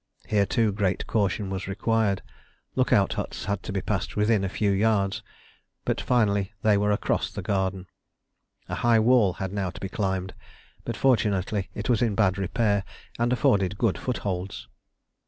Here, too, great caution was required. Look out huts had to be passed within a few yards, but finally they were across the garden. A high wall had now to be climbed, but fortunately it was in bad repair and afforded good footholds.